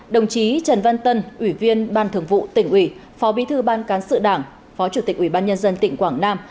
đồng chí trần văn tân ủy viên ban thường vụ tỉnh ủy phó bí thư ban cán sự đảng phó chủ tịch ủy ban nhân dân tỉnh quảng nam